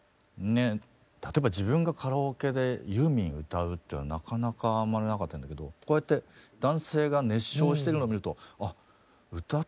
例えば自分がカラオケでユーミン歌うっていうのはなかなかあんまりなかったんだけどこうやって男性が熱唱してるの見ると「あ歌ってもいいんだ。